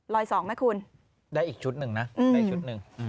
สองไหมคุณได้อีกชุดหนึ่งนะได้ชุดหนึ่ง